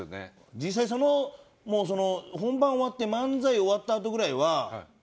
実際そのもうその本番終わって漫才終わったあとぐらいは。